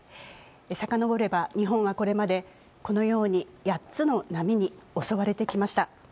さかのぼれば日本はこれまでこのように８つの波に襲われてきました。